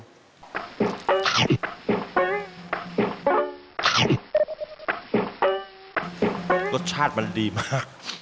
รสชาติมันดีมาก